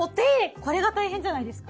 これが大変じゃないですか？